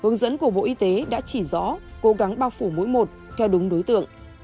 hướng dẫn của bộ y tế đã chỉ rõ cố gắng bao phủ mỗi một theo đúng đối tượng